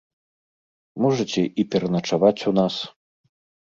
Можаце і пераначаваць у нас.